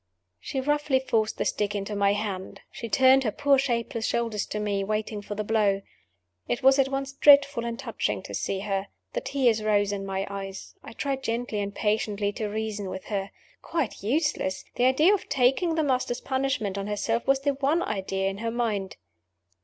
_" She roughly forced the stick into my hand; she turned her poor shapeless shoulders to me; waiting for the blow. It was at once dreadful and touching to see her. The tears rose in my eyes. I tried, gently and patiently, to reason with her. Quite useless! The idea of taking the Master's punishment on herself was the one idea in her mind.